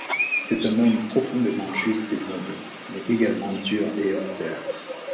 C'est un homme profondément juste et noble, mais également dur et austère.